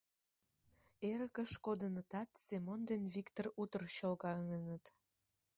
Эрыкеш кодынытат, Семон ден Виктыр утыр чолгаҥыныт.